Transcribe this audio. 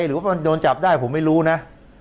หรือว่ามันโดนจับได้ผมไม่รู้นะ